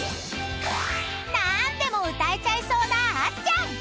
［何でも歌えちゃいそうなあっちゃん］